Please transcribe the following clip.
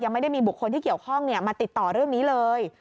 ไม่ได้มีบุคคลที่เกี่ยวข้องมาติดต่อเรื่องนี้เลย